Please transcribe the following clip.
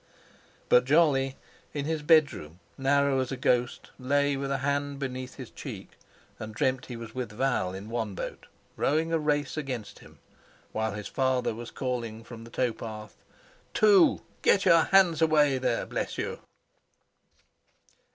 But Jolly, in his bedroom narrow as a ghost, lay with a hand beneath his cheek and dreamed he was with Val in one boat, rowing a race against him, while his father was calling from the towpath: "Two! Get your hands away there, bless you!"